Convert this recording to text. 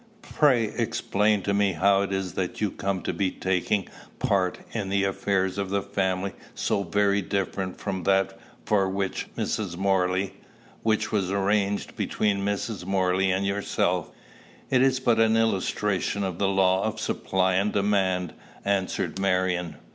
Pray explain to me how it is that you come to be taking a part in the affairs of the family so very different from that for which Mrs. Morley which was arranged between Mrs. Morley and yourself." "It is but an illustration of the law of supply and demand," answered Marion.